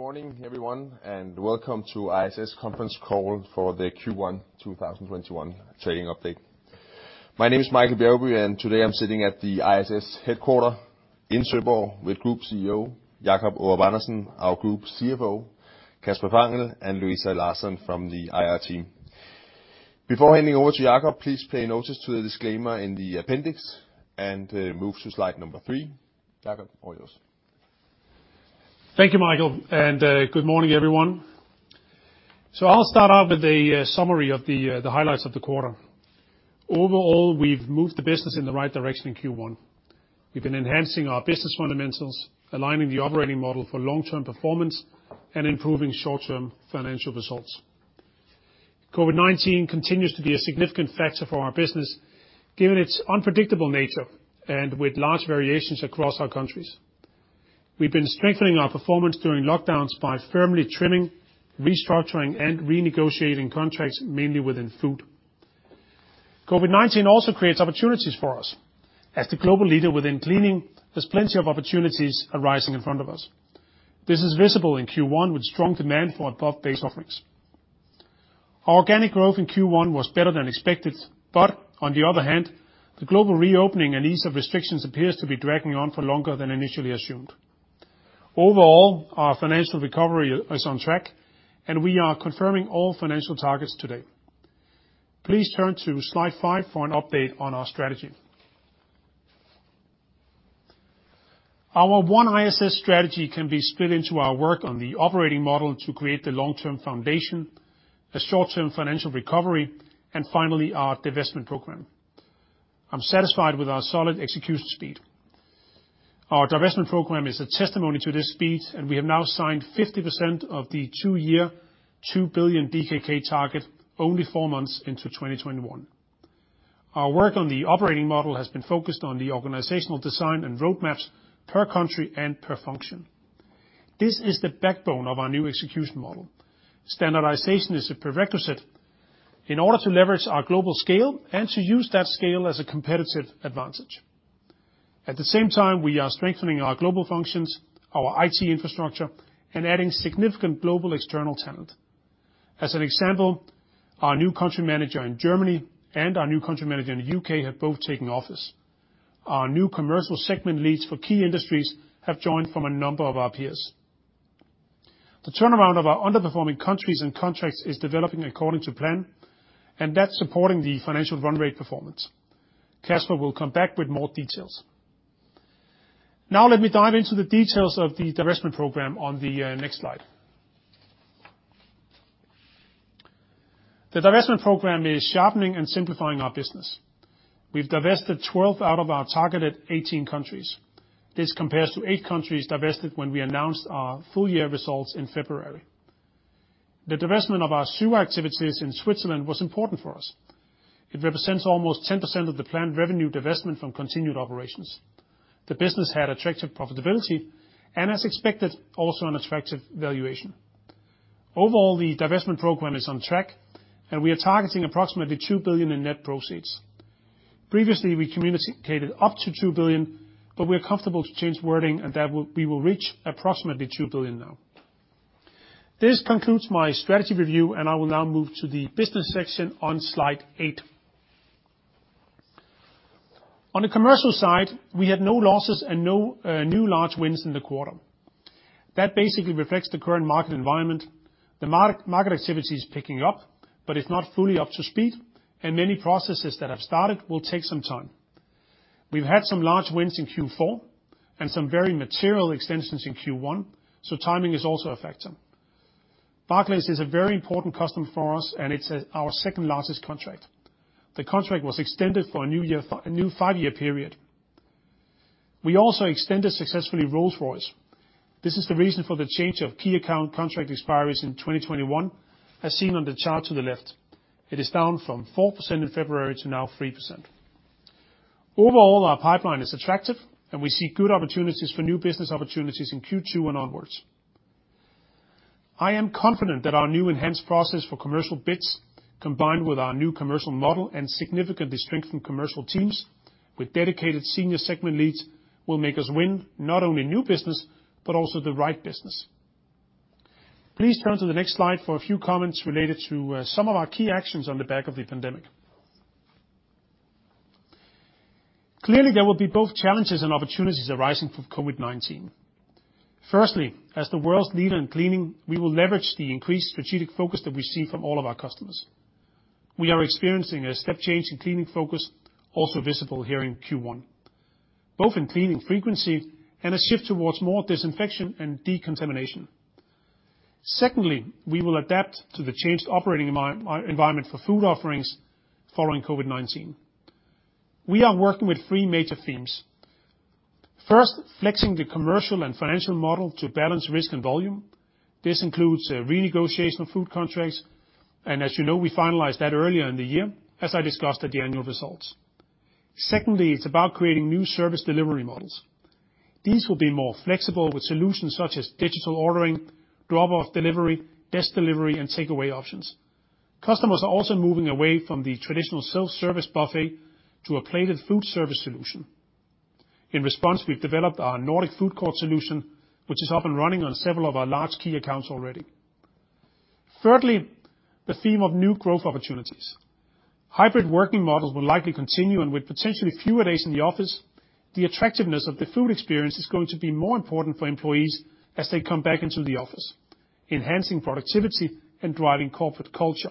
Good morning, everyone, and Welcome to the ISS Conference Call for the Q1 2021 trading update. My name is Michael Bjergby, and today I'm sitting at the ISS headquarters in Søborg with Group CEO Jacob Aarup-Andersen, our Group CFO Kasper Fangel, and Louisa Larsson from the IR team. Before handing over to Jacob, please take notice of the disclaimer in the appendix and move to slide number three. Jacob, all yours. Thank you, Michael, and good morning, everyone. So I'll start off with a summary of the highlights of the quarter. Overall, we've moved the business in the right direction in Q1. We've been enhancing our business fundamentals, aligning the operating model for long-term performance, and improving short-term financial results. COVID-19 continues to be a significant factor for our business, given its unpredictable nature and with large variations across our countries. We've been strengthening our performance during lockdowns by firmly trimming, restructuring, and renegotiating contracts, mainly within food. COVID-19 also creates opportunities for us. As the global leader within cleaning, there's plenty of opportunities arising in front of us. This is visible in Q1, with strong demand for above-base offerings. Our organic growth in Q1 was better than expected, but on the other hand, the global reopening and ease of restrictions appears to be dragging on for longer than initially assumed. Overall, our financial recovery is on track, and we are confirming all financial targets today. Please turn to slide five for an update on our strategy. Our One ISS strategy can be split into our work on the operating model to create the long-term foundation, a short-term financial recovery, and finally, our divestment program. I'm satisfied with our solid execution speed. Our divestment program is a testimony to this speed, and we have now signed 50% of the two-year, 2 billion DKK target, only four months into 2021. Our work on the operating model has been focused on the organizational design and roadmaps per country and per function. This is the backbone of our new execution model. Standardization is a prerequisite in order to leverage our global scale and to use that scale as a competitive advantage. At the same time, we are strengthening our global functions, our IT infrastructure, and adding significant global external talent. As an example, our new country manager in Germany and our new country manager in the U.K. have both taken office. Our new commercial segment leads for key industries have joined from a number of our peers. The turnaround of our underperforming countries and contracts is developing according to plan, and that's supporting the financial run rate performance. Kasper will come back with more details. Now, let me dive into the details of the divestment program on the next slide. The divestment program is sharpening and simplifying our business. We've divested 12 out of our targeted 18 countries. This compares to eight countries divested when we announced our full-year results in February. The divestment of our sewer activities in Switzerland was important for us. It represents almost 10% of the planned revenue divestment from continued operations. The business had attractive profitability and, as expected, also an attractive valuation. Overall, the divestment program is on track, and we are targeting approximately 2 billion in net proceeds. Previously, we communicated up to 2 billion, but we are comfortable to change wording and that we will reach approximately 2 billion now. This concludes my strategy review, and I will now move to the business section on slide eight. On the commercial side, we had no losses and no new large wins in the quarter. That basically reflects the current market environment. The market activity is picking up, but it's not fully up to speed, and many processes that have started will take some time. We've had some large wins in Q4 and some very material extensions in Q1, so timing is also a factor. Barclays is a very important customer for us, and it's our second largest contract. The contract was extended for a new five-year period. We also extended successfully Rolls-Royce. This is the reason for the change of key account contract expiries in 2021, as seen on the chart to the left. It is down from 4% in February to now 3%. Overall, our pipeline is attractive, and we see good opportunities for new business opportunities in Q2 and onwards. I am confident that our new enhanced process for commercial bids, combined with our new commercial model and significantly strengthened commercial teams with dedicated senior segment leads, will make us win not only new business but also the right business. Please turn to the next slide for a few comments related to some of our key actions on the back of the pandemic. Clearly, there will be both challenges and opportunities arising from COVID-19. Firstly, as the world's leader in cleaning, we will leverage the increased strategic focus that we see from all of our customers. We are experiencing a step change in cleaning focus, also visible here in Q1, both in cleaning frequency and a shift towards more disinfection and decontamination. Secondly, we will adapt to the changed operating environment for food offerings following COVID-19. We are working with three major themes. First, flexing the commercial and financial model to balance risk and volume. This includes renegotiation of food contracts, and as you know, we finalized that earlier in the year, as I discussed at the annual results. Secondly, it's about creating new service delivery models. These will be more flexible with solutions such as digital ordering, drop-off delivery, desk delivery, and takeaway options. Customers are also moving away from the traditional self-service buffet to a plated food service solution. In response, we've developed our Nordic Food Court solution, which is up and running on several of our large key accounts already. Thirdly, the theme of new growth opportunities. Hybrid working models will likely continue, and with potentially fewer days in the office, the attractiveness of the food experience is going to be more important for employees as they come back into the office, enhancing productivity and driving corporate culture.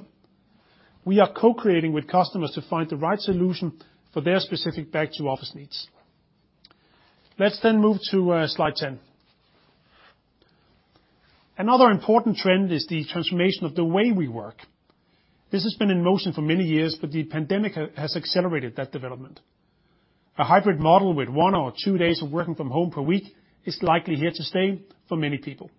We are co-creating with customers to find the right solution for their specific back-to-office needs. Let's then move to slide 10. Another important trend is the transformation of the way we work. This has been in motion for many years, but the pandemic has accelerated that development. A hybrid model with one or two days of working from home per week is likely here to stay for many people.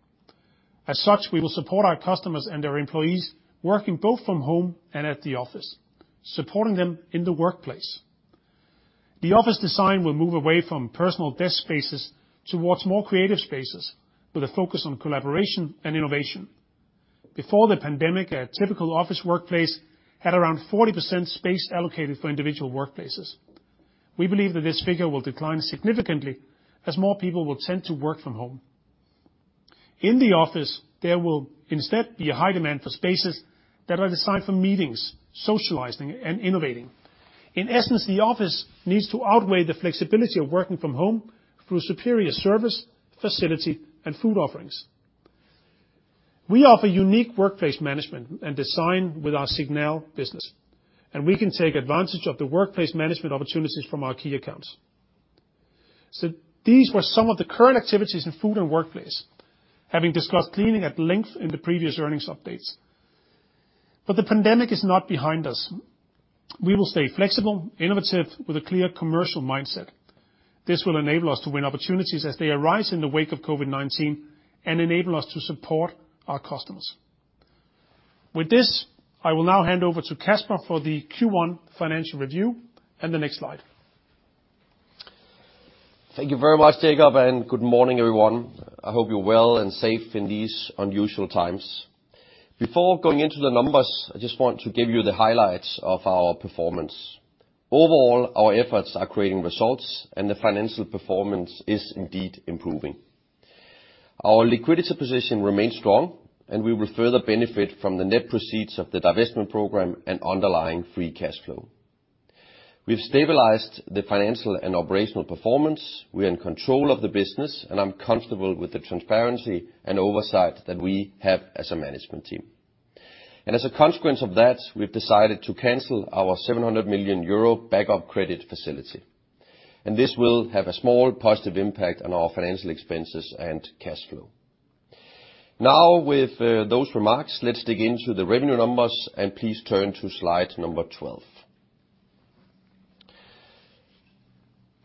As such, we will support our customers and their employees working both from home and at the office, supporting them in the workplace. The office design will move away from personal desk spaces towards more creative spaces with a focus on collaboration and innovation. Before the pandemic, a typical office workplace had around 40% space allocated for individual workplaces. We believe that this figure will decline significantly as more people will tend to work from home. In the office, there will instead be a high demand for spaces that are designed for meetings, socializing, and innovating. In essence, the office needs to outweigh the flexibility of working from home through superior service, facility, and food offerings. We offer unique workplace management and design with our SIGNAL business, and we can take advantage of the workplace management opportunities from our key accounts, so these were some of the current activities in food and workplace, having discussed cleaning at length in the previous earnings updates, but the pandemic is not behind us. We will stay flexible, innovative, with a clear commercial mindset. This will enable us to win opportunities as they arise in the wake of COVID-19 and enable us to support our customers. With this, I will now hand over to Kasper for the Q1 financial review and the next slide. Thank you very much, Jacob, and good morning, everyone. I hope you're well and safe in these unusual times. Before going into the numbers, I just want to give you the highlights of our performance. Overall, our efforts are creating results, and the financial performance is indeed improving. Our liquidity position remains strong, and we will further benefit from the net proceeds of the divestment program and underlying free cash flow. We've stabilized the financial and operational performance. We're in control of the business, and I'm comfortable with the transparency and oversight that we have as a management team, and as a consequence of that, we've decided to cancel our 700 million euro backup credit facility, and this will have a small positive impact on our financial expenses and cash flow. Now, with those remarks, let's dig into the revenue numbers, and please turn to slide number 12.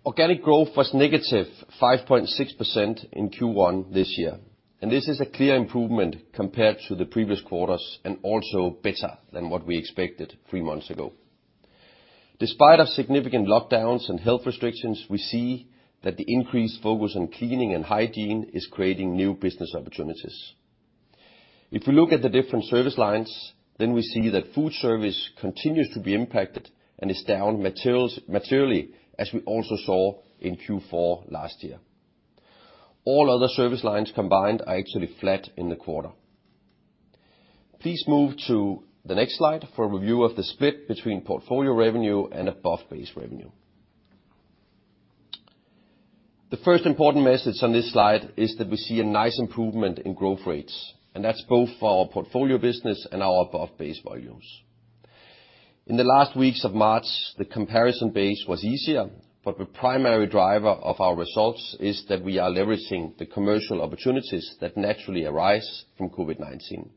Organic growth was negative 5.6% in Q1 this year, and this is a clear improvement compared to the previous quarters and also better than what we expected three months ago. Despite significant lockdowns and health restrictions, we see that the increased focus on cleaning and hygiene is creating new business opportunities. If we look at the different service lines, then we see that food service continues to be impacted and is down materially, as we also saw in Q4 last year. All other service lines combined are actually flat in the quarter. Please move to the next slide for a review of the split between portfolio revenue and above-base revenue. The first important message on this slide is that we see a nice improvement in growth rates, and that's both for our portfolio business and our above-base volumes. In the last weeks of March, the comparison base was easier, but the primary driver of our results is that we are leveraging the commercial opportunities that naturally arise from COVID-19.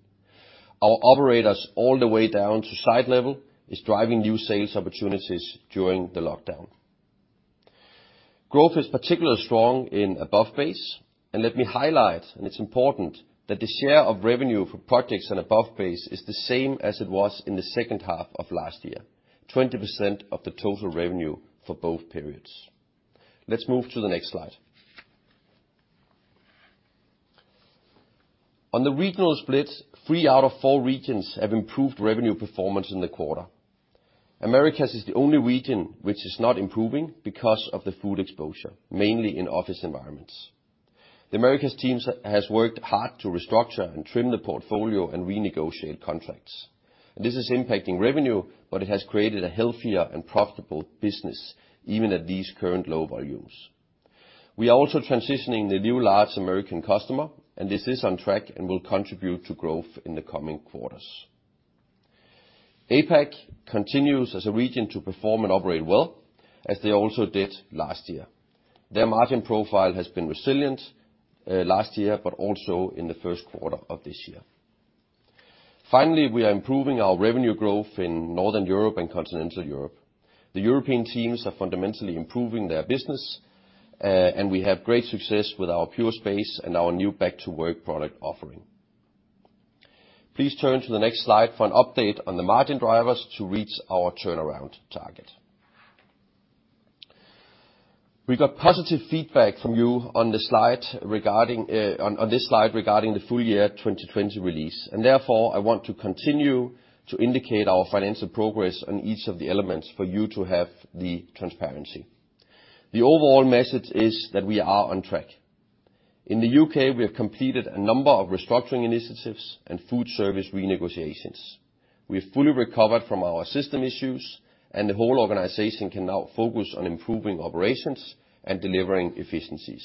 Our operators, all the way down to site level, are driving new sales opportunities during the lockdown. Growth is particularly strong in above-base, and let me highlight, and it's important, that the share of revenue for projects in above-base is the same as it was in the second half of last year, 20% of the total revenue for both periods. Let's move to the next slide. On the regional split, three out of four regions have improved revenue performance in the quarter. Americas is the only region which is not improving because of the food exposure, mainly in office environments. The Americas team has worked hard to restructure and trim the portfolio and renegotiate contracts. This is impacting revenue, but it has created a healthier and profitable business, even at these current low volumes. We are also transitioning the new large American customer, and this is on track and will contribute to growth in the coming quarters. APAC continues as a region to perform and operate well, as they also did last year. Their margin profile has been resilient last year, but also in the first quarter of this year. Finally, we are improving our revenue growth in Northern Europe and Continental Europe. The European teams are fundamentally improving their business, and we have great success with our PureSpace and our new back-to-work product offering. Please turn to the next slide for an update on the margin drivers to reach our turnaround target. We got positive feedback from you on this slide regarding the full-year 2020 release, and therefore, I want to continue to indicate our financial progress on each of the elements for you to have the transparency. The overall message is that we are on track. In the U.K., we have completed a number of restructuring initiatives and food service renegotiations. We have fully recovered from our system issues, and the whole organization can now focus on improving operations and delivering efficiencies.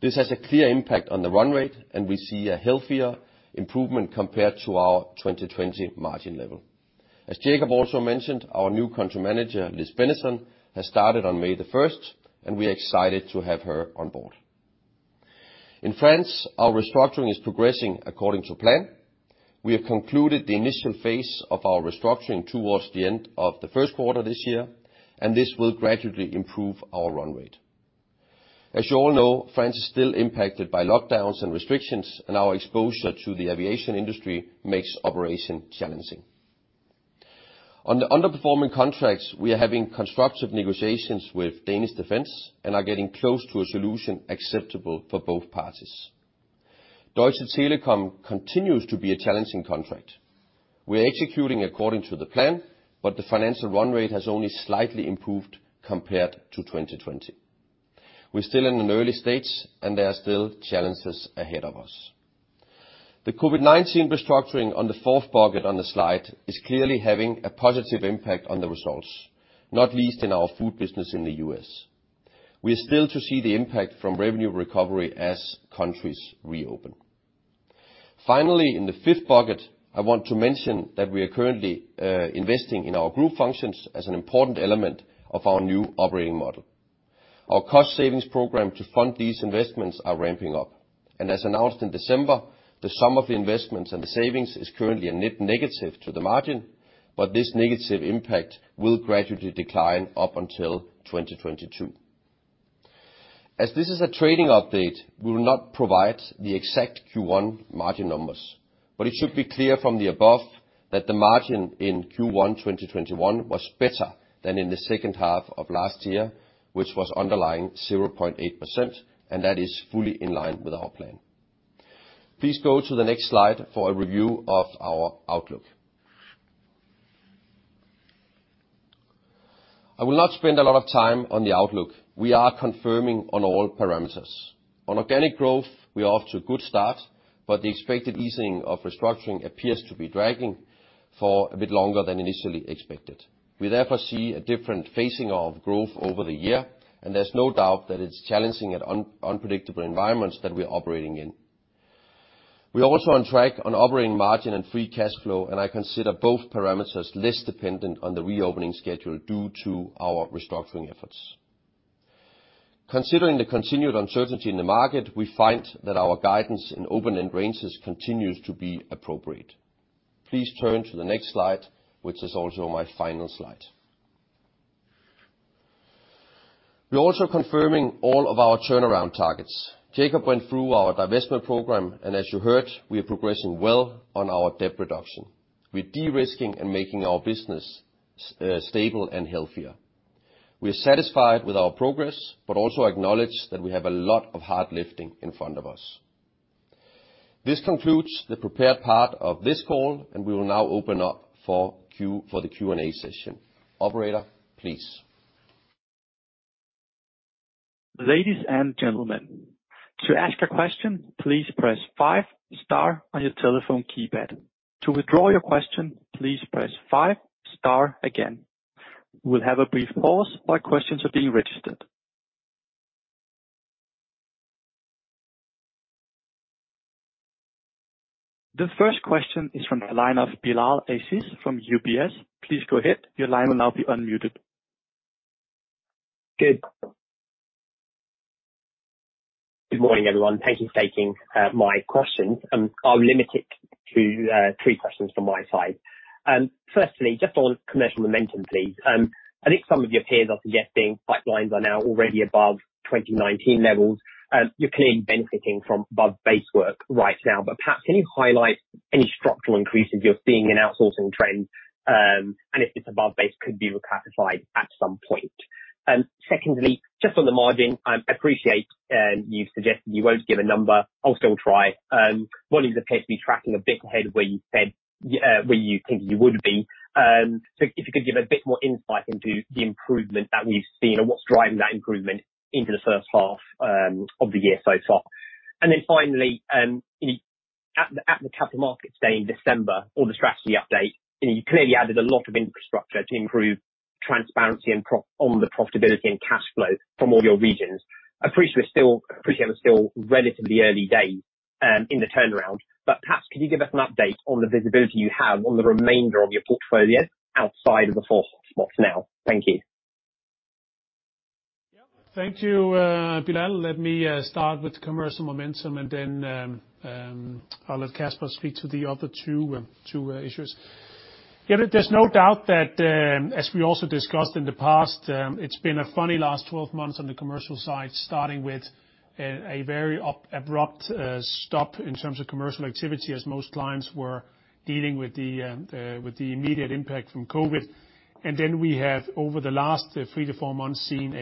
This has a clear impact on the run rate, and we see a healthier improvement compared to our 2020 margin level. As Jacob also mentioned, our new country manager, Liz Benison, has started on May the 1st, and we are excited to have her on board. In France, our restructuring is progressing according to plan. We have concluded the initial phase of our restructuring towards the end of the first quarter this year, and this will gradually improve our run rate. As you all know, France is still impacted by lockdowns and restrictions, and our exposure to the aviation industry makes operation challenging. On the underperforming contracts, we are having constructive negotiations with Danish Defence and are getting close to a solution acceptable for both parties. Deutsche Telekom continues to be a challenging contract. We are executing according to the plan, but the financial run rate has only slightly improved compared to 2020. We're still in an early stage, and there are still challenges ahead of us. The COVID-19 restructuring on the fourth bucket on the slide is clearly having a positive impact on the results, not least in our food business in the U.S. We are still to see the impact from revenue recovery as countries reopen. Finally, in the fifth bucket, I want to mention that we are currently investing in our group functions as an important element of our new operating model. Our cost savings program to fund these investments is ramping up. And as announced in December, the sum of the investments and the savings is currently a net negative to the margin, but this negative impact will gradually decline up until 2022. As this is a trading update, we will not provide the exact Q1 margin numbers, but it should be clear from the above that the margin in Q1 2021 was better than in the second half of last year, which was underlying 0.8%, and that is fully in line with our plan. Please go to the next slide for a review of our outlook. I will not spend a lot of time on the outlook. We are confirming on all parameters. On organic growth, we are off to a good start, but the expected easing of restructuring appears to be dragging for a bit longer than initially expected. We therefore see a different phasing of growth over the year, and there's no doubt that it's challenging and unpredictable environments that we are operating in. We are also on track on operating margin and free cash flow, and I consider both parameters less dependent on the reopening schedule due to our restructuring efforts. Considering the continued uncertainty in the market, we find that our guidance in open-end ranges continues to be appropriate. Please turn to the next slide, which is also my final slide. We are also confirming all of our turnaround targets. Jacob went through our divestment program, and as you heard, we are progressing well on our debt reduction. We're de-risking and making our business stable and healthier. We are satisfied with our progress, but also acknowledge that we have a lot of hard lifting in front of us. This concludes the prepared part of this call, and we will now open up for the Q&A session. Operator, please. Ladies and gentlemen, to ask a question, please press five star on your telephone keypad. To withdraw your question, please press five star again. We'll have a brief pause while questions are being registered. The first question is from the line of Bilal Aziz from UBS. Please go ahead. Your line will now be unmuted. Good morning, everyone. Thank you for taking my questions. I'll limit it to three questions from my side. Firstly, just on commercial momentum, please. I think some of your peers are suggesting pipelines are now already above 2019 levels. You're clearly benefiting from above-base work right now, but perhaps can you highlight any structural increases you're seeing in outsourcing trends and if this above-base could be recapitalized at some point? Secondly, just on the margin, I appreciate you've suggested you won't give a number. I'll still try. Volumes appear to be tracking a bit ahead of where you think you would be. So if you could give a bit more insight into the improvement that we've seen or what's driving that improvement into the first half of the year so far. And then finally, at the capital markets day in December, or the strategy update, you clearly added a lot of infrastructure to improve transparency on the profitability and cash flow from all your regions. Appreciate we're still relatively early days in the turnaround, but perhaps could you give us an update on the visibility you have on the remainder of your portfolio outside of the four hotspots now? Thank you. Thank you, Bilal. Let me start with commercial momentum, and then I'll let Kasper speak to the other two issues. There's no doubt that, as we also discussed in the past, it's been a funny last 12 months on the commercial side, starting with a very abrupt stop in terms of commercial activity as most clients were dealing with the immediate impact from COVID, and then we have, over the last three to four months, seen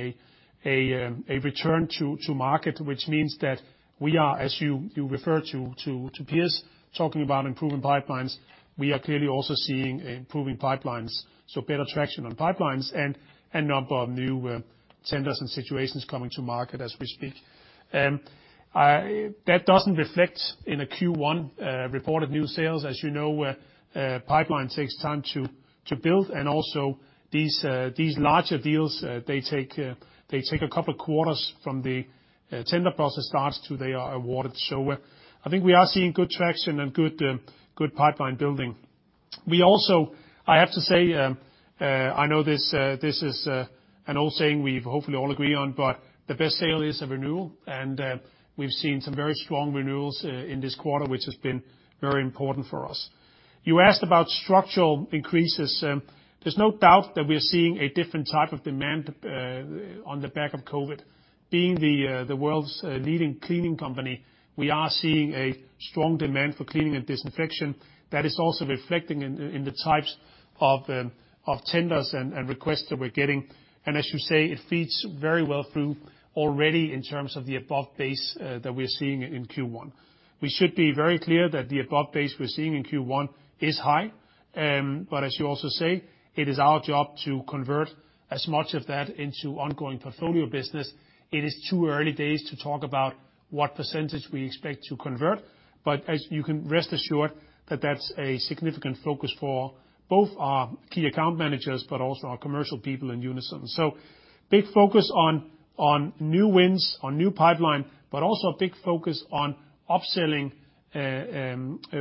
a return to market, which means that we are, as you refer to peers talking about improving pipelines, we are clearly also seeing improving pipelines, so better traction on pipelines and a number of new tenders and situations coming to market as we speak. That doesn't reflect in a Q1 reported new sales. As you know, pipeline takes time to build, and also these larger deals, they take a couple of quarters from the tender process starts to they are awarded. So I think we are seeing good traction and good pipeline building. We also, I have to say, I know this is an old saying we hopefully all agree on, but the best sale is a renewal, and we've seen some very strong renewals in this quarter, which has been very important for us. You asked about structural increases. There's no doubt that we are seeing a different type of demand on the back of COVID. Being the world's leading cleaning company, we are seeing a strong demand for cleaning and disinfection. That is also reflecting in the types of tenders and requests that we're getting. As you say, it feeds very well through already in terms of the above base that we are seeing in Q1. We should be very clear that the above base we're seeing in Q1 is high, but as you also say, it is our job to convert as much of that into ongoing portfolio business. It is too early days to talk about what percentage we expect to convert, but you can rest assured that that's a significant focus for both our key account managers, but also our commercial people in unison. Big focus on new wins, on new pipeline, but also a big focus on upselling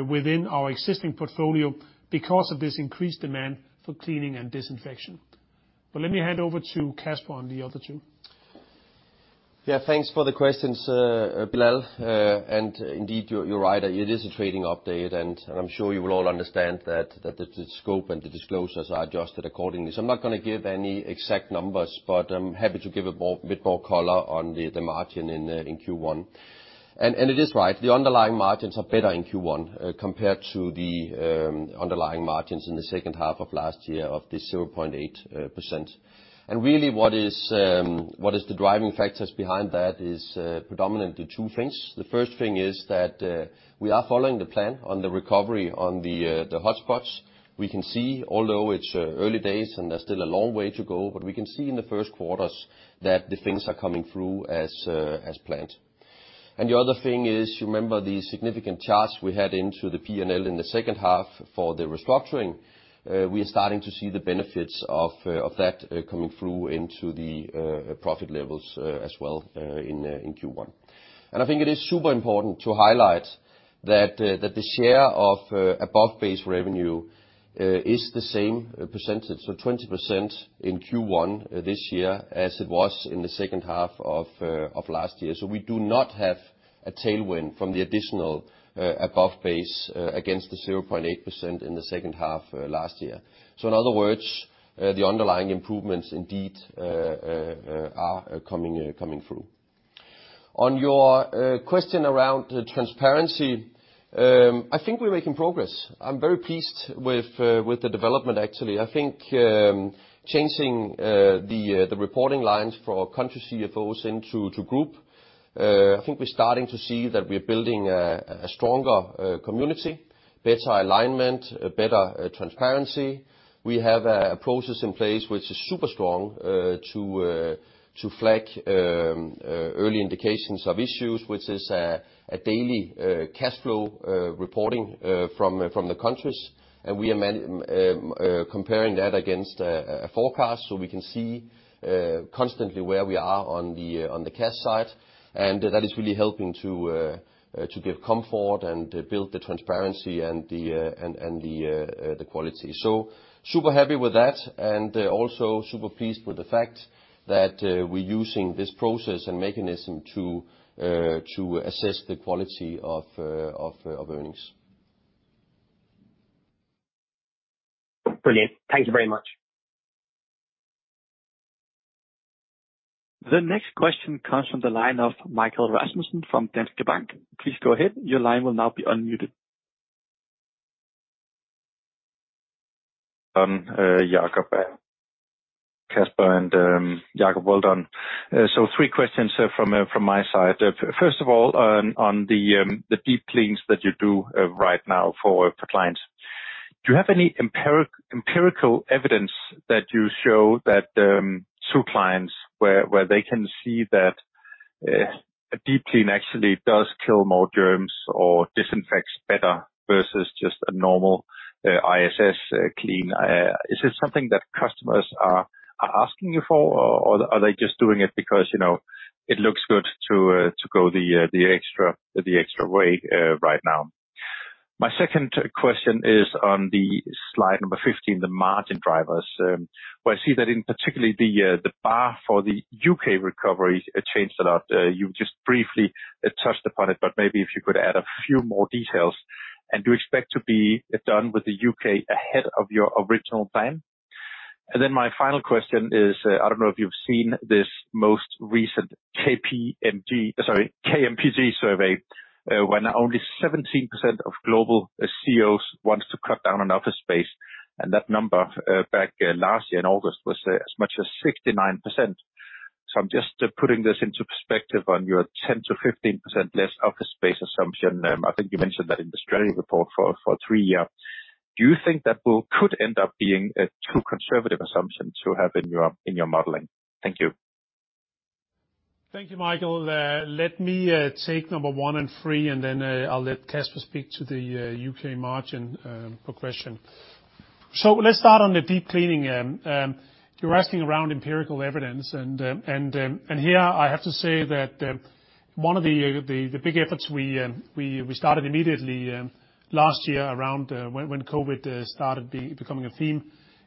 within our existing portfolio because of this increased demand for cleaning and disinfection. Let me hand over to Kasper on the other two. Yeah, thanks for the questions, Bilal, and indeed, you're right. It is a trading update, and I'm sure you will all understand that the scope and the disclosures are adjusted accordingly, so I'm not going to give any exact numbers, but I'm happy to give a bit more color on the margin in Q1, and it is right. The underlying margins are better in Q1 compared to the underlying margins in the second half of last year of this 0.8%, and really, what is the driving factors behind that is predominantly two things. The first thing is that we are following the plan on the recovery on the hotspots. We can see, although it's early days and there's still a long way to go, but we can see in the first quarters that the things are coming through as planned. The other thing is, you remember the significant charge we had into the P&L in the second half for the restructuring? We are starting to see the benefits of that coming through into the profit levels as well in Q1. I think it is super important to highlight that the share of above base revenue is the same percentage, so 20% in Q1 this year as it was in the second half of last year. We do not have a tailwind from the additional above base against the 0.8% in the second half last year. In other words, the underlying improvements indeed are coming through. On your question around transparency, I think we're making progress. I'm very pleased with the development, actually. I think changing the reporting lines for country CFOs into group. I think we're starting to see that we're building a stronger community, better alignment, better transparency. We have a process in place which is super strong to flag early indications of issues, which is a daily cash flow reporting from the countries, and we are comparing that against a forecast so we can see constantly where we are on the cash side, and that is really helping to give comfort and build the transparency and the quality, so super happy with that and also super pleased with the fact that we're using this process and mechanism to assess the quality of earnings. Brilliant. Thank you very much. The next question comes from the line of Michael Rasmussen from Danske Bank. Please go ahead. Your line will now be unmuted. On Jacob, Kasper, and Jacob, well done. So three questions from my side. First of all, on the deep cleans that you do right now for clients, do you have any empirical evidence that you show that to clients where they can see that a deep clean actually does kill more germs or disinfects better versus just a normal ISS clean? Is it something that customers are asking you for, or are they just doing it because it looks good to go the extra way right now? My second question is on the slide number 15, the margin drivers, where I see that in particular the bar for the U.K. recovery changed a lot. You just briefly touched upon it, but maybe if you could add a few more details. And do you expect to be done with the U.K. ahead of your original plan? And then my final question is, I don't know if you've seen this most recent KPMG survey where now only 17% of global CEOs want to cut down on office space, and that number back last year in August was as much as 69%. So I'm just putting this into perspective on your 10%-15% less office space assumption. I think you mentioned that in the strategy report for three years. Do you think that could end up being a too conservative assumption to have in your modeling? Thank you. Thank you, Michael. Let me take number one and three, and then I'll let Kasper speak to the U.K. margin progression. So let's start on the deep cleaning. You're asking around empirical evidence, and here I have to say that one of the big efforts we started immediately last year around when COVID started becoming a theme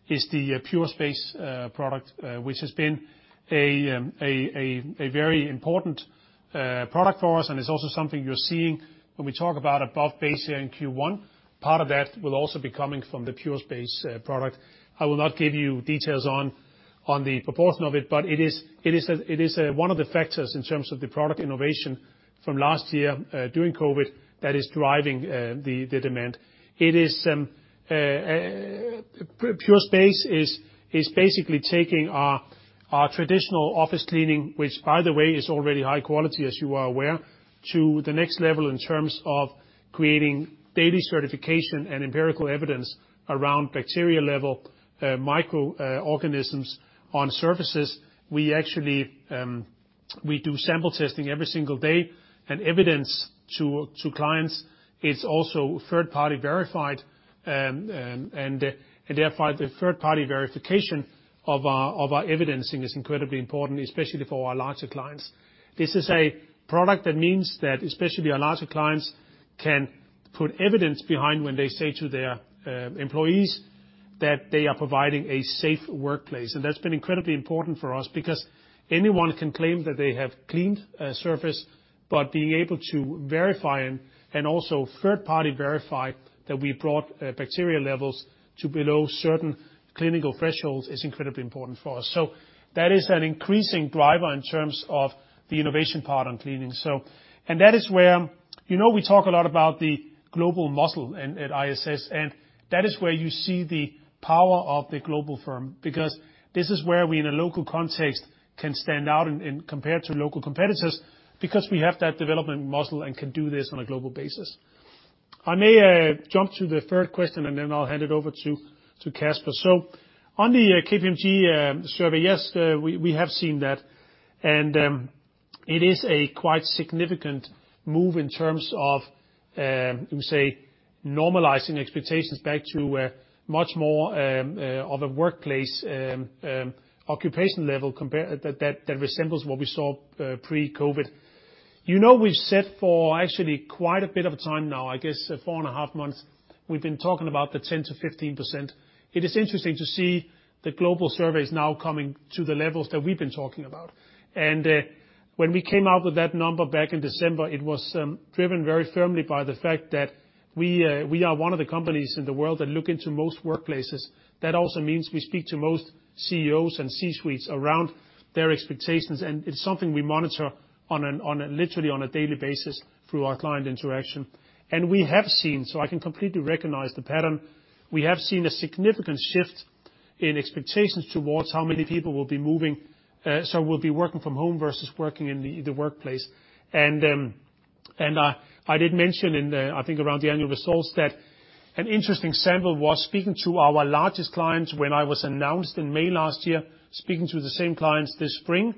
is the PureSpace product, which has been a very important product for us, and it's also something you're seeing when we talk about above base here in Q1. Part of that will also be coming from the PureSpace product. I will not give you details on the proportion of it, but it is one of the factors in terms of the product innovation from last year during COVID that is driving the demand. PureSpace is basically taking our traditional office cleaning, which by the way is already high quality, as you are aware, to the next level in terms of creating daily certification and empirical evidence around bacteria level, microorganisms on surfaces. We do sample testing every single day and evidence to clients. It's also third-party verified, and therefore the third-party verification of our evidencing is incredibly important, especially for our larger clients. This is a product that means that especially our larger clients can put evidence behind when they say to their employees that they are providing a safe workplace, and that's been incredibly important for us because anyone can claim that they have cleaned a surface, but being able to verify and also third-party verify that we brought bacteria levels to below certain clinical thresholds is incredibly important for us. So that is an increasing driver in terms of the innovation part on cleaning. And that is where we talk a lot about the global muscle at ISS, and that is where you see the power of the global firm because this is where we in a local context can stand out and compare to local competitors because we have that development muscle and can do this on a global basis. I may jump to the third question, and then I'll hand it over to Kasper. So on the KPMG survey, yes, we have seen that, and it is a quite significant move in terms of, you say, normalizing expectations back to much more of a workplace occupation level that resembles what we saw pre-COVID. You know we've said for actually quite a bit of time now, I guess four and a half months, we've been talking about the 10%-15%. It is interesting to see the global surveys now coming to the levels that we've been talking about. And when we came out with that number back in December, it was driven very firmly by the fact that we are one of the companies in the world that look into most workplaces. That also means we speak to most CEOs and C-suites around their expectations, and it's something we monitor literally on a daily basis through our client interaction. And we have seen, so I can completely recognize the pattern, we have seen a significant shift in expectations towards how many people will be moving, so will be working from home versus working in the workplace. I did mention in, I think, around the annual results that an interesting example, speaking to our largest clients when I was announced in May last year, speaking to the same clients this spring,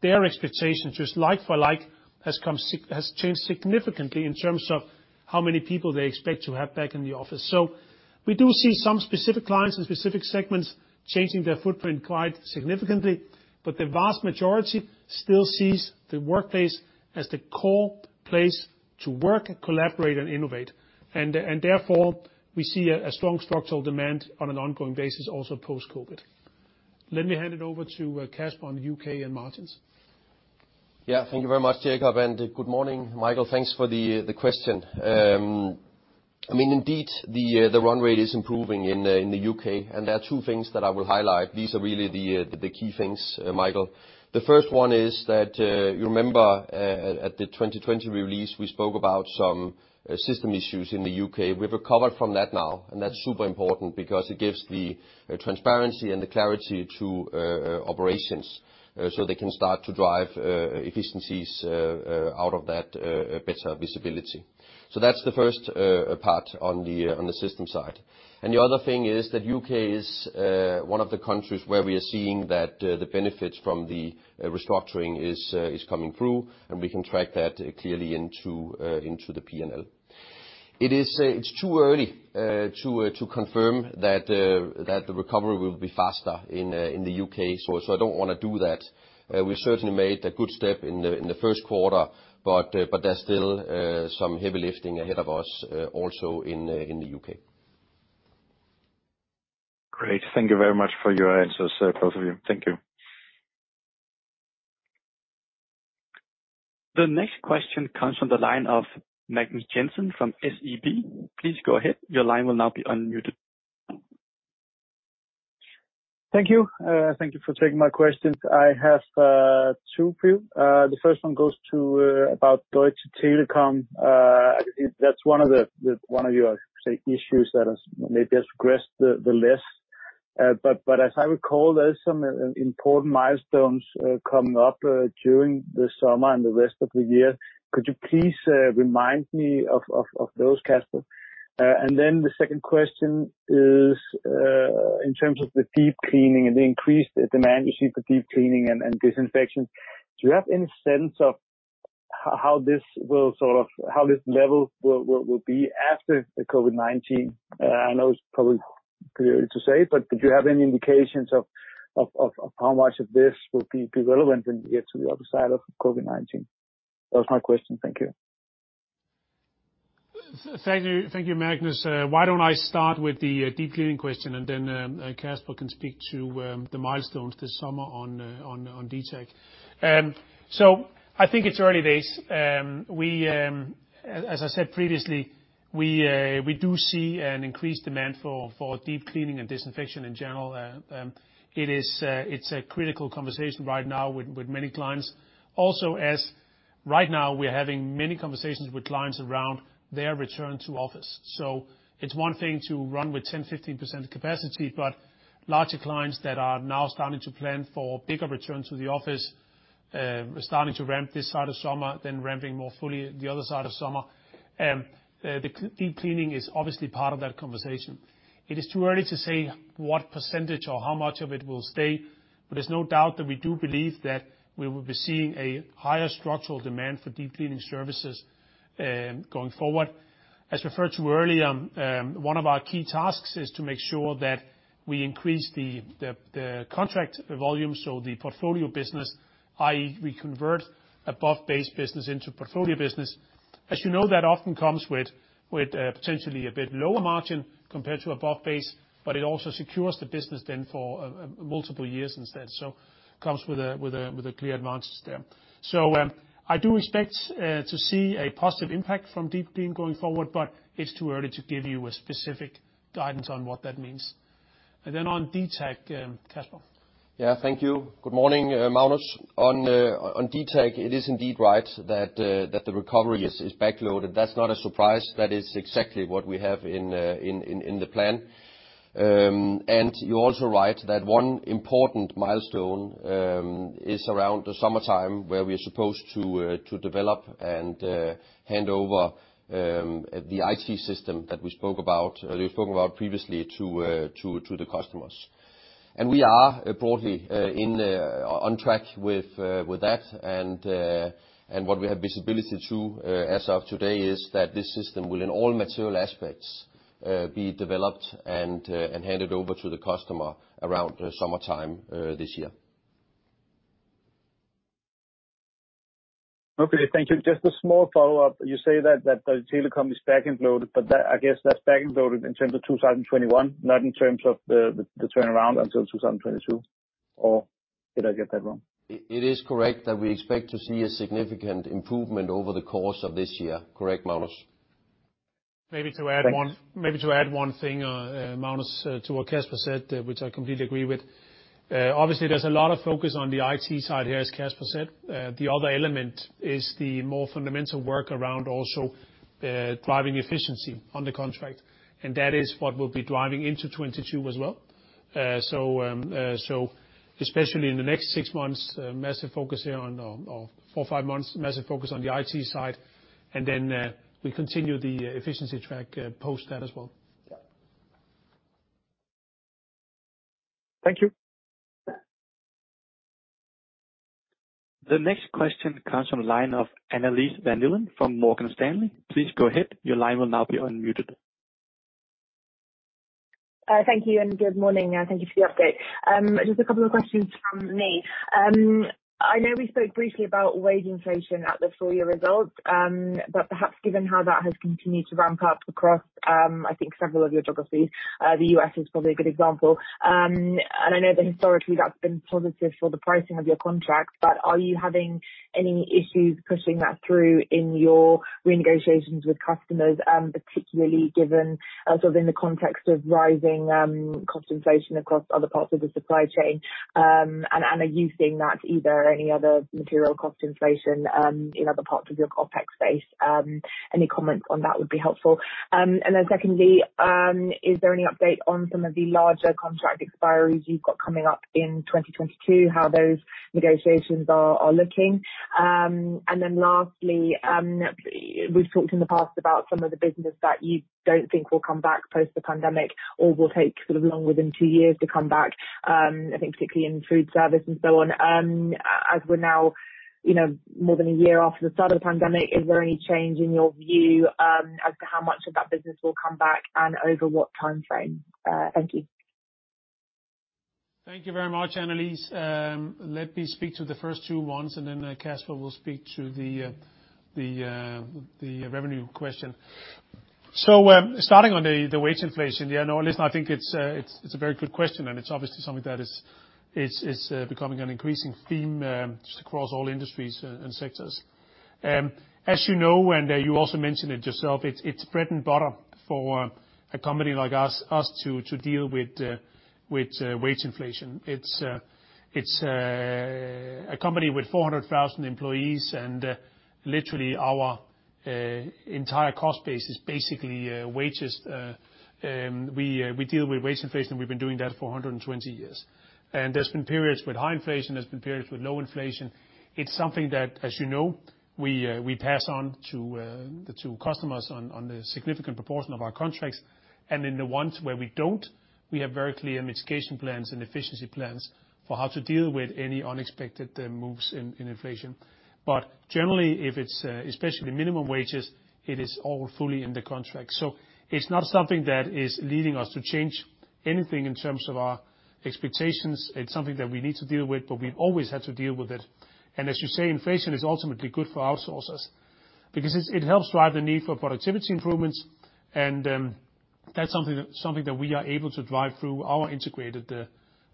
their expectations like-for-like has changed significantly in terms of how many people they expect to have back in the office. We do see some specific clients and specific segments changing their footprint quite significantly, but the vast majority still sees the workplace as the core place to work, collaborate, and innovate. Therefore, we see a strong structural demand on an ongoing basis also post-COVID. Let me hand it over to Kasper on the U.K. and margins. Yeah, thank you very much, Jacob, and good morning, Michael. Thanks for the question. I mean, indeed, the run rate is improving in the U.K., and there are two things that I will highlight. These are really the key things, Michael. The first one is that you remember at the 2020 release, we spoke about some system issues in the U.K.. We've recovered from that now, and that's super important because it gives the transparency and the clarity to operations so they can start to drive efficiencies out of that better visibility. So that's the first part on the system side. And the other thing is that U.K. is one of the countries where we are seeing that the benefits from the restructuring is coming through, and we can track that clearly into the P&L. It's too early to confirm that the recovery will be faster in the U.K.. So I don't want to do that. We certainly made a good step in the first quarter, but there's still some heavy lifting ahead of us also in the U.K.. Great. Thank you very much for your answers, both of you. Thank you. The next question comes from the line of Magnus Jensen from SEB. Please go ahead. Your line will now be unmuted. Thank you. Thank you for taking my questions. I have two for you. The first one goes to about Deutsche Telekom. I can see that's one of your issues that maybe has progressed the less. But as I recall, there are some important milestones coming up during the summer and the rest of the year. Could you please remind me of those, Kasper? And then the second question is in terms of the deep cleaning and the increased demand you see for deep cleaning and disinfection, do you have any sense of how this level will be after COVID-19? I know it's probably too early to say, but do you have any indications of how much of this will be relevant when you get to the other side of COVID-19? That was my question. Thank you. Thank you, Magnus. Why don't I start with the deep cleaning question, and then Kasper can speak to the milestones this summer on DTEC? So I think it's early days. As I said previously, we do see an increased demand for deep cleaning and disinfection in general. It's a critical conversation right now with many clients. Also, right now, we're having many conversations with clients around their return to office. So it's one thing to run with 10%-15% capacity, but larger clients that are now starting to plan for bigger return to the office are starting to ramp this side of summer, then ramping more fully the other side of summer. The deep cleaning is obviously part of that conversation. It is too early to say what percentage or how much of it will stay, but there's no doubt that we do believe that we will be seeing a higher structural demand for deep cleaning services going forward. As referred to earlier, one of our key tasks is to make sure that we increase the contract volume, so the portfolio business, i.e., we convert above base business into portfolio business. As you know, that often comes with potentially a bit lower margin compared to above base, but it also secures the business then for multiple years instead. So it comes with a clear advantage there. So I do expect to see a positive impact from deep clean going forward, but it's too early to give you a specific guidance on what that means. And then on DTEC, Kasper. Yeah, thank you. Good morning, Magnus. On DTEC, it is indeed right that the recovery is backloaded. That's not a surprise. That is exactly what we have in the plan. And you're also right that one important milestone is around the summertime where we are supposed to develop and hand over the IT system that we spoke about, that we spoke about previously to the customers. And we are broadly on track with that, and what we have visibility to as of today is that this system will, in all material aspects, be developed and handed over to the customer around the summertime this year. Okay, thank you. Just a small follow-up. You say that Telecom is back and forth, but I guess that's back and forth in terms of 2021, not in terms of the turnaround until 2022, or did I get that wrong? It is correct that we expect to see a significant improvement over the course of this year. Correct, Magnus? Maybe to add one thing, Magnus, to what Kasper said, which I completely agree with. Obviously, there's a lot of focus on the IT side here, as Kasper said. The other element is the more fundamental work around also driving efficiency on the contract, and that is what will be driving into 2022 as well. So especially in the next six months, massive focus here on four, five months, massive focus on the IT side, and then we continue the efficiency track post that as well. Thank you. The next question comes from the line of Annelies Vermeulen from Morgan Stanley. Please go ahead. Your line will now be unmuted. Thank you, and good morning, and thank you for the update. Just a couple of questions from me. I know we spoke briefly about wage inflation at the full-year results, but perhaps given how that has continued to ramp up across, I think, several of your geographies, the U.S. is probably a good example. And I know that historically that's been positive for the pricing of your contracts, but are you having any issues pushing that through in your renegotiations with customers, particularly given sort of in the context of rising cost inflation across other parts of the supply chain? And are you seeing any other material cost inflation in other parts of your complex space? Any comments on that would be helpful. And then secondly, is there any update on some of the larger contract expiries you've got coming up in 2022, how those negotiations are looking? Then lastly, we've talked in the past about some of the business that you don't think will come back post the pandemic or will take sort of longer than two years to come back, I think particularly in food service and so on. As we're now more than a year after the start of the pandemic, is there any change in your view as to how much of that business will come back and over what timeframe? Thank you. Thank you very much, Annelise. Let me speak to the first two ones, and then Kasper will speak to the revenue question. So starting on the wage inflation, yeah, I know, at least I think it's a very good question, and it's obviously something that is becoming an increasing theme just across all industries and sectors. As you know, and you also mentioned it yourself, it's bread and butter for a company like us to deal with wage inflation. It's a company with 400,000 employees, and literally our entire cost base is basically wages. We deal with wage inflation, and we've been doing that for 120 years, and there's been periods with high inflation, there's been periods with low inflation. It's something that, as you know, we pass on to customers on a significant proportion of our contracts. And in the ones where we don't, we have very clear mitigation plans and efficiency plans for how to deal with any unexpected moves in inflation. But generally, if it's especially minimum wages, it is all fully in the contract. So it's not something that is leading us to change anything in terms of our expectations. It's something that we need to deal with, but we've always had to deal with it. And as you say, inflation is ultimately good for outsourcers because it helps drive the need for productivity improvements, and that's something that we are able to drive through our integrated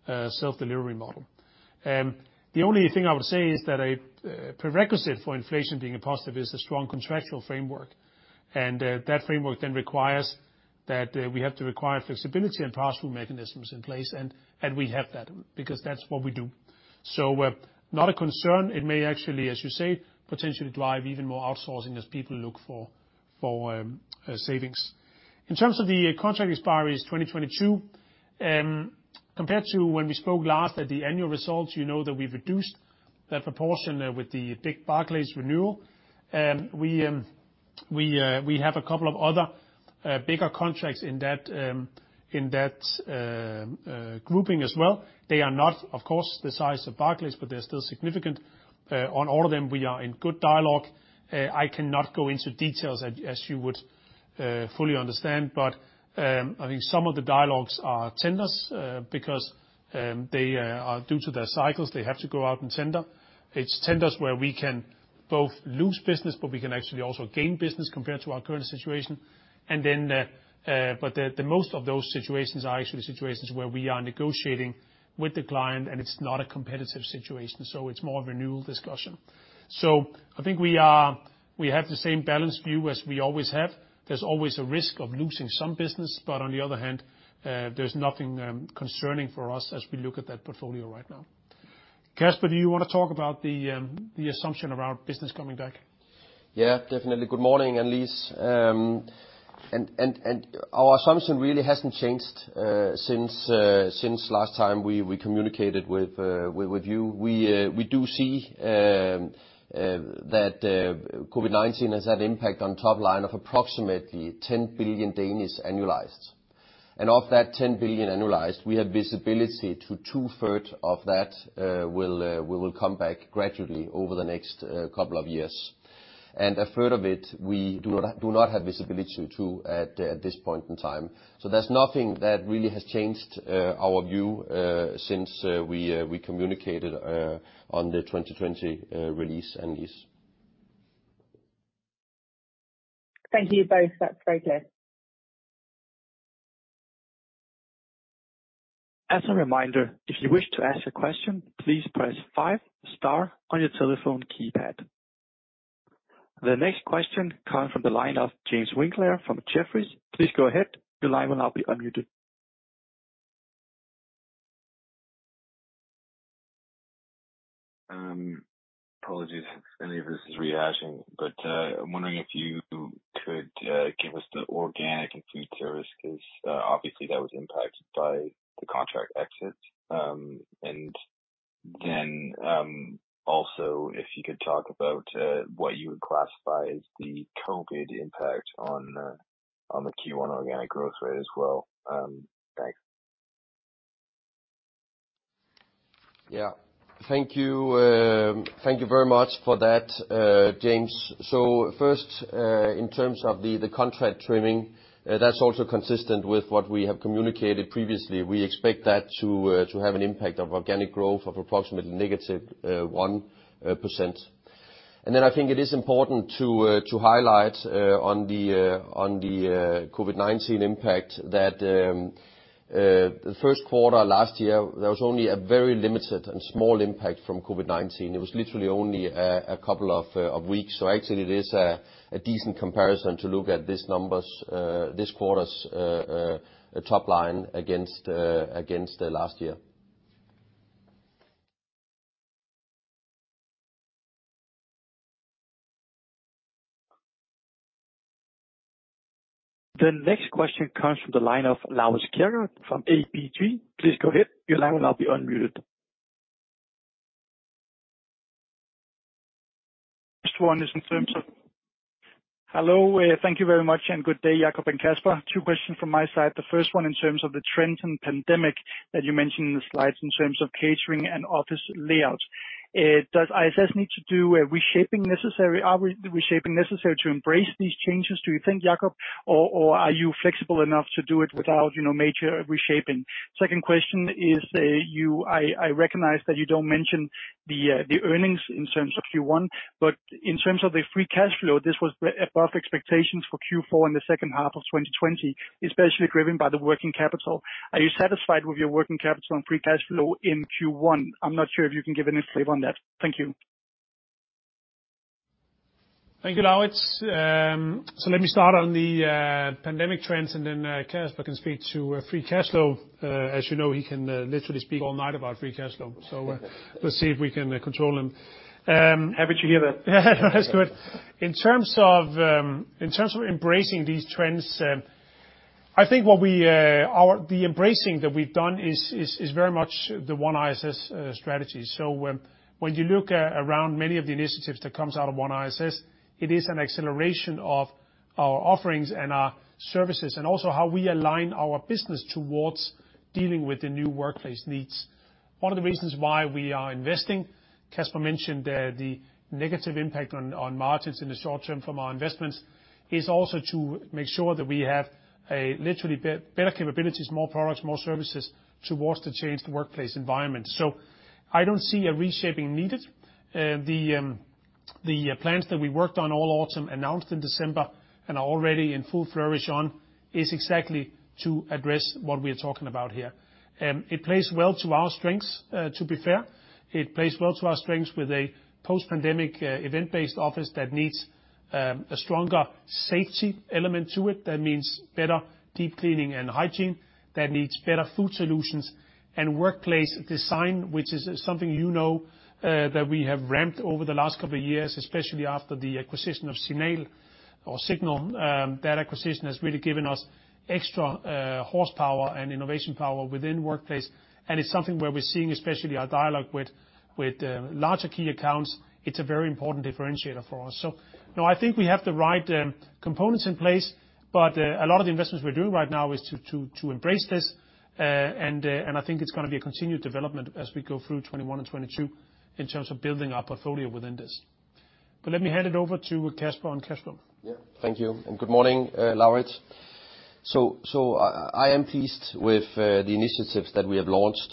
self-delivery model. The only thing I would say is that a prerequisite for inflation being a positive is a strong contractual framework, and that framework then requires that we have to require flexibility and powerful mechanisms in place, and we have that because that's what we do. So not a concern. It may actually, as you say, potentially drive even more outsourcing as people look for savings. In terms of the contract expiries 2022, compared to when we spoke last at the annual results, you know that we've reduced that proportion with the big Barclays renewal. We have a couple of other bigger contracts in that grouping as well. They are not, of course, the size of Barclays, but they're still significant. On all of them, we are in good dialogue. I cannot go into details as you would fully understand, but I think some of the dialogues are tenders because due to their cycles, they have to go out and tender. It's tenders where we can both lose business, but we can actually also gain business compared to our current situation. But the most of those situations are actually situations where we are negotiating with the client, and it's not a competitive situation, so it's more of a renewal discussion. So I think we have the same balance view as we always have. There's always a risk of losing some business, but on the other hand, there's nothing concerning for us as we look at that portfolio right now. Kasper, do you want to talk about the assumption around business coming back? Yeah, definitely. Good morning, Annelise. And our assumption really hasn't changed since last time we communicated with you. We do see that COVID-19 has had an impact on the top line of approximately 10 billion annualized. And of that 10 billion annualized, we have visibility to two-thirds of that will come back gradually over the next couple of years. And a third of it, we do not have visibility to at this point in time. So there's nothing that really has changed our view since we communicated on the 2020 release, Annelise. Thank you both. That's very clear. As a reminder, if you wish to ask a question, please press five star on your telephone keypad. The next question comes from the line of James Winkler from Jefferies. Please go ahead. Your line will now be unmuted. Apologies, Annelise is rehashing, but I'm wondering if you could give us the organic and food service because obviously that was impacted by the contract exit, and then also, if you could talk about what you would classify as the COVID impact on the Q1 organic growth rate as well? Thanks. Yeah. Thank you. Thank you very much for that, James. So first, in terms of the contract trimming, that's also consistent with what we have communicated previously. We expect that to have an impact of organic growth of approximately negative 1%. And then I think it is important to highlight on the COVID-19 impact that the first quarter last year, there was only a very limited and small impact from COVID-19. It was literally only a couple of weeks. So actually, it is a decent comparison to look at this quarter's top line against last year. The next question comes from the line of Laurits Kjaergaard from ABG. Please go ahead. Your line will now be unmuted. Hello, thank you very much, and good day, Jakob and Kasper. Two questions from my side. The first one in terms of the current pandemic that you mentioned in the slides in terms of catering and office layouts. Does ISS need to do a reshaping necessary? Are we reshaping necessary to embrace these changes, do you think, Jakob, or are you flexible enough to do it without major reshaping? Second question is, I recognize that you don't mention the earnings in terms of Q1, but in terms of the free cash flow, this was above expectations for Q4 in the second half of 2020, especially driven by the working capital. Are you satisfied with your working capital and free cash flow in Q1? I'm not sure if you can give any flavor on that. Thank you. Thank you, Laurits. So let me start on the pandemic trends, and then Kasper can speak to free cash flow. As you know, he can literally speak all night about free cash flow, so we'll see if we can control him. Happy to hear that. Yeah, that's good. In terms of embracing these trends, I think the embracing that we've done is very much the One ISS strategy. So when you look around many of the initiatives that come out of One ISS, it is an acceleration of our offerings and our services, and also how we align our business towards dealing with the new workplace needs. One of the reasons why we are investing, Kasper mentioned the negative impact on margins in the short term from our investments, is also to make sure that we have literally better capabilities, more products, more services towards the changed workplace environment. So I don't see a reshaping needed. The plans that we worked on all autumn, announced in December, and are already in full flourish on, is exactly to address what we are talking about here. It plays well to our strengths, to be fair. It plays well to our strengths with a post-pandemic event-based office that needs a stronger safety element to it. That means better deep cleaning and hygiene. That needs better food solutions and workplace design, which is something you know that we have ramped over the last couple of years, especially after the acquisition of Signal or Signal. That acquisition has really given us extra horsepower and innovation power within workplace, and it's something where we're seeing, especially our dialogue with larger key accounts. It's a very important differentiator for us. So no, I think we have the right components in place, but a lot of the investments we're doing right now is to embrace this, and I think it's going to be a continued development as we go through 2021 and 2022 in terms of building our portfolio within this. But let me hand it over to Kasper on cash flow. Yeah, thank you. And good morning, Laurits. So I am pleased with the initiatives that we have launched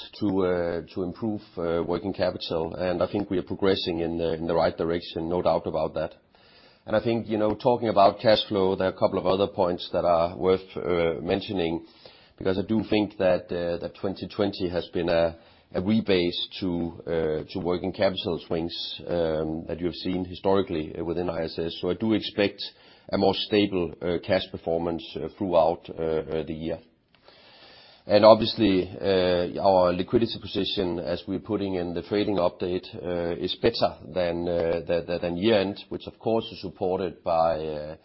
to improve working capital, and I think we are progressing in the right direction, no doubt about that. And I think talking about cash flow, there are a couple of other points that are worth mentioning because I do think that 2020 has been a rebase to working capital swings that you have seen historically within ISS. So I do expect a more stable cash performance throughout the year. And obviously, our liquidity position, as we're putting in the trading update, is better than year-end, which of course is supported by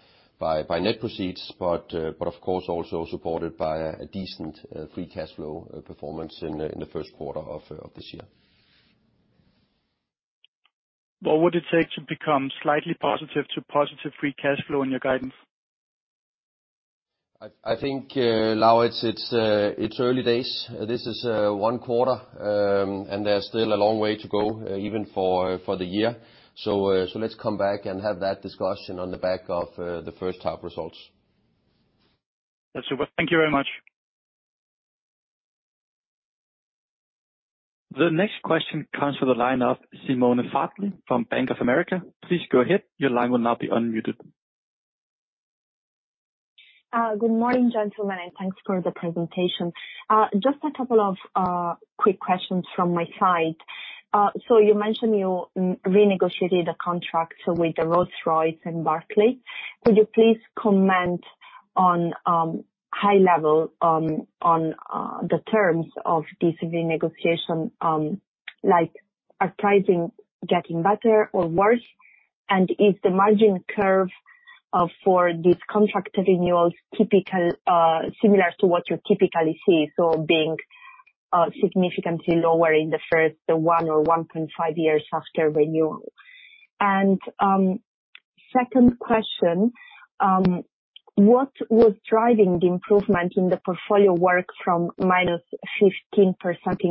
net proceeds, but of course also supported by a decent free cash flow performance in the first quarter of this year. What would it take to become slightly positive to positive free cash flow in your guidance? I think, Laurits, it's early days. This is one quarter, and there's still a long way to go even for the year. So let's come back and have that discussion on the back of the first half results. That's super. Thank you very much. The next question comes from the line of Simona Sarli from Bank of America. Please go ahead. Your line will now be unmuted. Good morning, gentlemen, and thanks for the presentation. Just a couple of quick questions from my side, so you mentioned you renegotiated a contract with Rolls-Royce and Barclays. Could you please comment on high level on the terms of this renegotiation, like are pricing getting better or worse, and is the margin curve for these contract renewals similar to what you typically see, so being significantly lower in the first one or 1.5 years after renewal? And second question, what was driving the improvement in the portfolio work from minus 15% in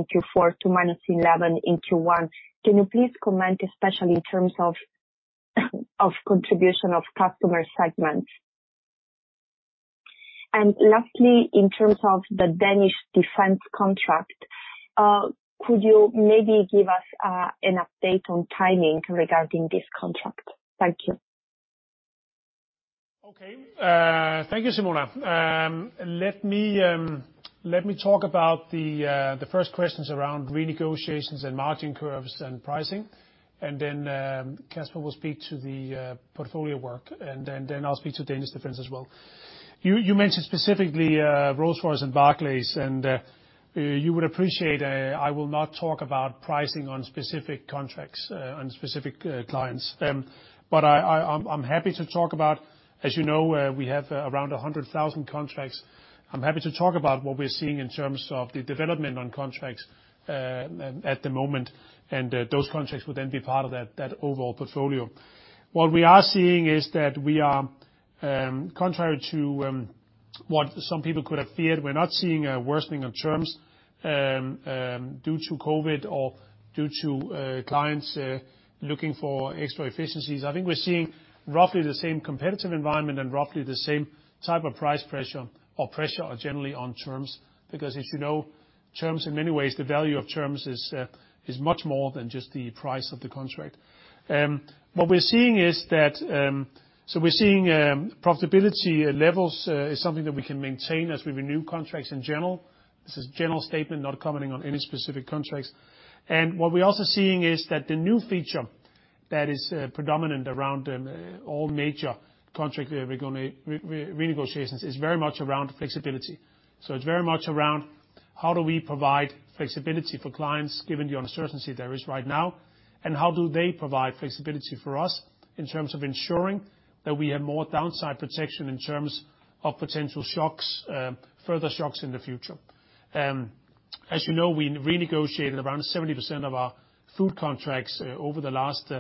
Q4 to minus 11% in Q1? Can you please comment, especially in terms of contribution of customer segments? And lastly, in terms of the Danish Defence contract, could you maybe give us an update on timing regarding this contract? Thank you. Okay. Thank you, Simona. Let me talk about the first questions around renegotiations and margin curves and pricing, and then Kasper will speak to the portfolio work, and then I'll speak to Danish Defence as well. You mentioned specifically Rolls-Royce and Barclays, and you would appreciate, I will not talk about pricing on specific contracts, on specific clients. But I'm happy to talk about, as you know, we have around 100,000 contracts. I'm happy to talk about what we're seeing in terms of the development on contracts at the moment, and those contracts would then be part of that overall portfolio. What we are seeing is that we are, contrary to what some people could have feared, we're not seeing a worsening of terms due to COVID or due to clients looking for extra efficiencies. I think we're seeing roughly the same competitive environment and roughly the same type of price pressure or pressure generally on terms because, as you know, terms in many ways, the value of terms is much more than just the price of the contract. What we're seeing is that profitability levels is something that we can maintain as we renew contracts in general. This is a general statement, not commenting on any specific contracts, and what we're also seeing is that the new feature that is predominant around all major contract renegotiations is very much around flexibility, so it's very much around how do we provide flexibility for clients given the uncertainty there is right now, and how do they provide flexibility for us in terms of ensuring that we have more downside protection in terms of potential shocks, further shocks in the future. As you know, we renegotiated around 70% of our food contracts over the last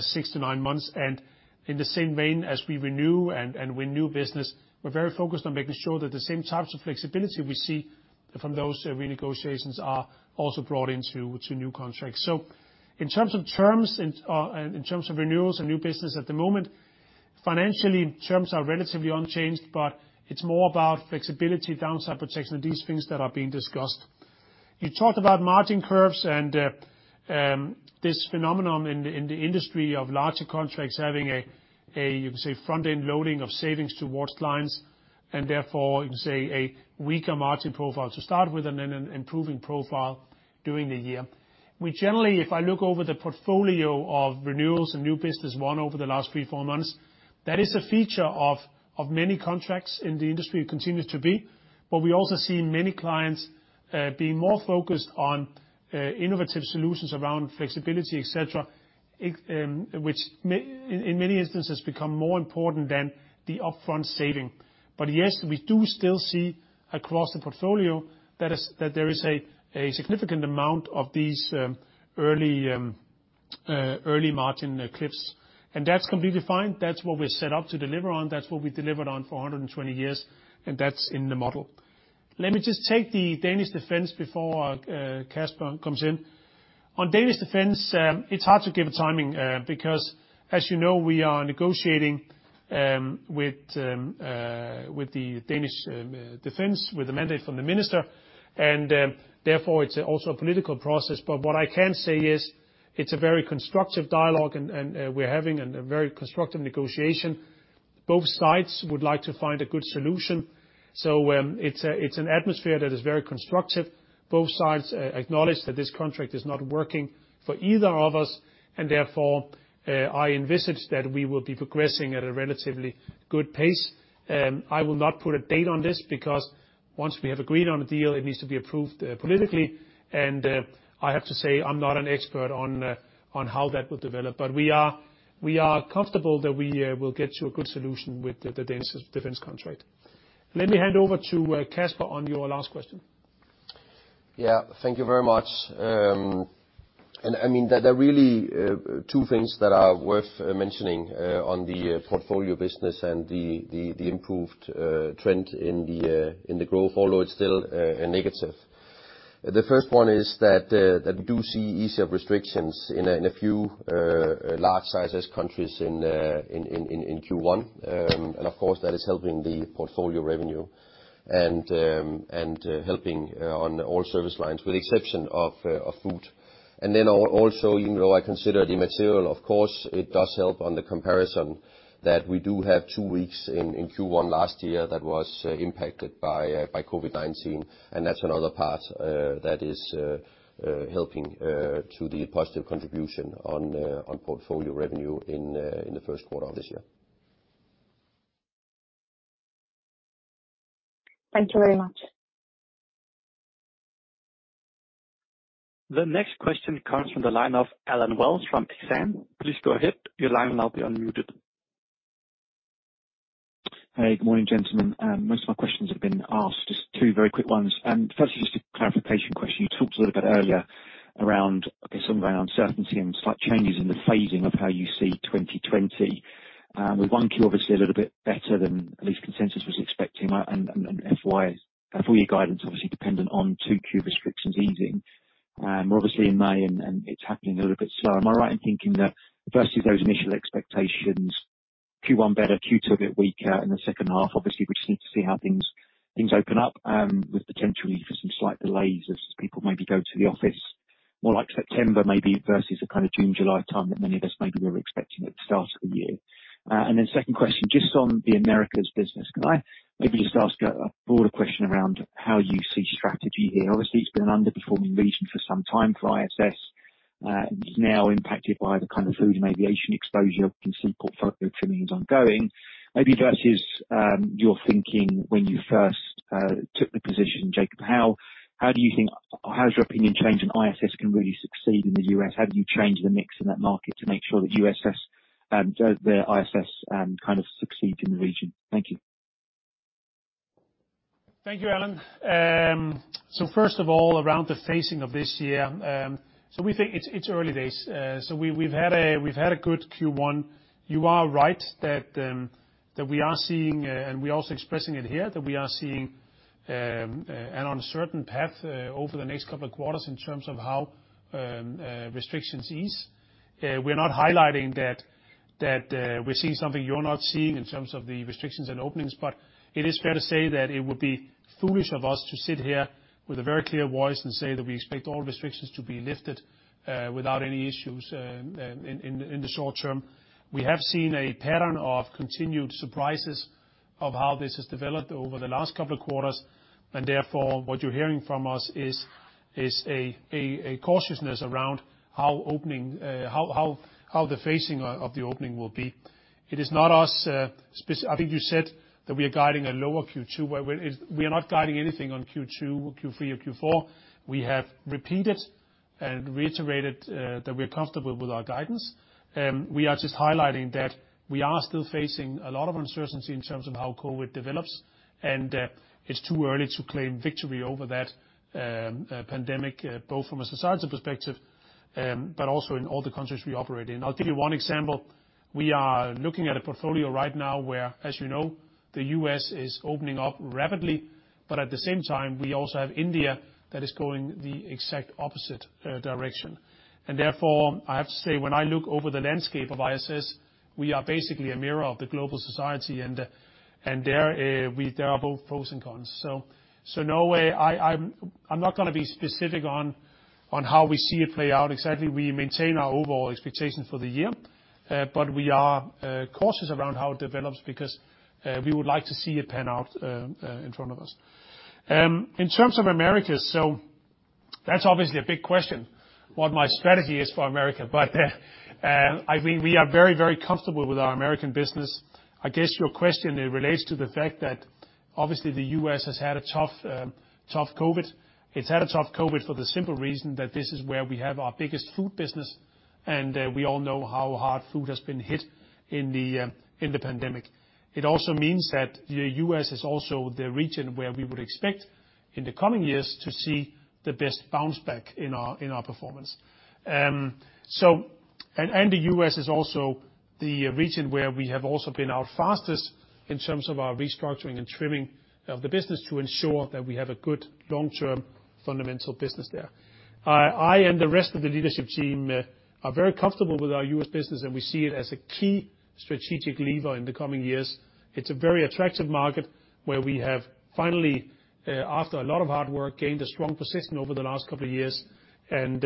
six to nine months, and in the same vein as we renew and renew business, we're very focused on making sure that the same types of flexibility we see from those renegotiations are also brought into new contracts. So in terms of terms and in terms of renewals and new business at the moment, financially, terms are relatively unchanged, but it's more about flexibility, downside protection, and these things that are being discussed. You talked about margin curves and this phenomenon in the industry of larger contracts having a, you can say, front-end loading of savings towards clients, and therefore, you can say, a weaker margin profile to start with and then an improving profile during the year. Generally, if I look over the portfolio of renewals and new business won over the last three, four months, that is a feature of many contracts in the industry that continues to be, but we also see many clients being more focused on innovative solutions around flexibility, etc., which in many instances become more important than the upfront saving. But yes, we do still see across the portfolio that there is a significant amount of these early margin cliffs, and that's completely fine. That's what we're set up to deliver on. That's what we delivered on for 120 years, and that's in the model. Let me just take the Danish Defence before Kasper comes in. On Danish Defence, it's hard to give a timing because, as you know, we are negotiating with the Danish Defence with a mandate from the minister, and therefore, it's also a political process. But what I can say is it's a very constructive dialogue, and we're having a very constructive negotiation. Both sides would like to find a good solution. So it's an atmosphere that is very constructive. Both sides acknowledge that this contract is not working for either of us, and therefore, I envisage that we will be progressing at a relatively good pace. I will not put a date on this because once we have agreed on a deal, it needs to be approved politically, and I have to say I'm not an expert on how that will develop, but we are comfortable that we will get to a good solution with the Danish Defence contract. Let me hand over to Kasper on your last question. Yeah, thank you very much. And I mean, there are really two things that are worth mentioning on the portfolio business and the improved trend in the growth, although it's still a negative. The first one is that we do see easier restrictions in a few large-sized countries in Q1, and of course, that is helping the portfolio revenue and helping on all service lines with the exception of food. And then also, even though I consider it immaterial, of course, it does help on the comparison that we do have two weeks in Q1 last year that was impacted by COVID-19, and that's another part that is helping to the positive contribution on portfolio revenue in the first quarter of this year. Thank you very much. The next question comes from the line of Alan Wells from Exane. Please go ahead. Your line will now be unmuted. Hey, good morning, gentlemen. Most of my questions have been asked. Just two very quick ones. Firstly, just a clarification question. You talked a little bit earlier around some of the uncertainty and slight changes in the phasing of how you see 2020. We've 1Q obviously a little bit better than at least consensus was expecting, and FY guidance obviously dependent on 2Q restrictions easing. We're obviously in May, and it's happening a little bit slower. Am I right in thinking that versus those initial expectations, Q1 better, Q2 a bit weaker, and the second half, obviously, we just need to see how things open up with potentially for some slight delays as people maybe go to the office more like September maybe versus the kind of June, July time that many of us maybe were expecting at the start of the year? And then, second question, just on the Americas business, can I maybe just ask a broader question around how you see strategy here? Obviously, it's been an underperforming region for some time for ISS, and it's now impacted by the kind of food and aviation exposure. You can see portfolio trimmings ongoing. Maybe versus your thinking when you first took the position, Jacob, how do you think, how has your opinion changed when ISS can really succeed in the US? How do you change the mix in that market to make sure that the ISS kind of succeeds in the region? Thank you. Thank you, Alan. So first of all, around the phasing of this year, so we think it's early days. So we've had a good Q1. You are right that we are seeing, and we're also expressing it here, that we are seeing an uncertain path over the next couple of quarters in terms of how restrictions ease. We're not highlighting that we're seeing something you're not seeing in terms of the restrictions and openings, but it is fair to say that it would be foolish of us to sit here with a very clear voice and say that we expect all restrictions to be lifted without any issues in the short term. We have seen a pattern of continued surprises of how this has developed over the last couple of quarters, and therefore, what you're hearing from us is a cautiousness around how the phasing of the opening will be. It is not us. I think you said that we are guiding a lower Q2. We are not guiding anything on Q2, Q3, or Q4. We have repeated and reiterated that we're comfortable with our guidance. We are just highlighting that we are still facing a lot of uncertainty in terms of how COVID develops, and it's too early to claim victory over that pandemic, both from a societal perspective but also in all the countries we operate in. I'll give you one example. We are looking at a portfolio right now where, as you know, the U.S. is opening up rapidly, but at the same time, we also have India that is going the exact opposite direction, and therefore, I have to say, when I look over the landscape of ISS, we are basically a mirror of the global society, and there are both pros and cons. So no way. I'm not going to be specific on how we see it play out exactly. We maintain our overall expectation for the year, but we are cautious around how it develops because we would like to see it pan out in front of us. In terms of America, so that's obviously a big question, what my strategy is for America, but I mean, we are very, very comfortable with our American business. I guess your question, it relates to the fact that obviously the U.S. has had a tough COVID. It's had a tough COVID for the simple reason that this is where we have our biggest food business, and we all know how hard food has been hit in the pandemic. It also means that the U.S. is also the region where we would expect in the coming years to see the best bounce back in our performance, and the U.S. is also the region where we have also been our fastest in terms of our restructuring and trimming of the business to ensure that we have a good long-term fundamental business there. I and the rest of the leadership team are very comfortable with our U.S. business, and we see it as a key strategic lever in the coming years. It's a very attractive market where we have finally, after a lot of hard work, gained a strong position over the last couple of years, and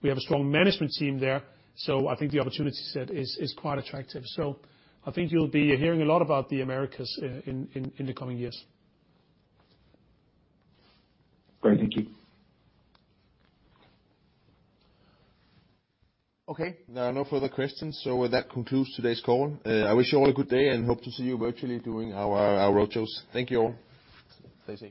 we have a strong management team there, so I think the opportunity set is quite attractive, so I think you'll be hearing a lot about the Americas in the coming years. Great. Thank you. Okay. There are no further questions, so that concludes today's call. I wish you all a good day and hope to see you virtually during our roadshows. Thank you all. Peace.